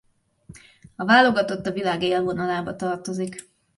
A válogatott a világ élvonalába tartozik.